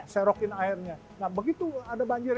serokin airnya nah begitu ada banjir